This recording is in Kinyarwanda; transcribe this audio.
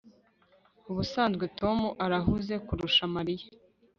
Ubusanzwe Tom arahuze kurusha Mariya